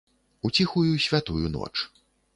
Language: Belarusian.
У ціхую, святую ноч!